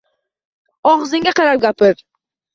Og‘zingga qarab gapir